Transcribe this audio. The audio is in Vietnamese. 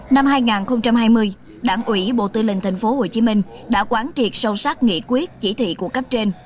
năm hai nghìn hai mươi đảng ủy bộ tư lệnh tp hcm đã quán triệt sâu sắc nghị quyết chỉ thị của cấp trên